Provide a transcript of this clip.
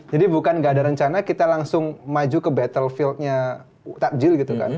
jadi bukan nggak ada rencana kita langsung maju ke battlefield nya ta jil gitu kan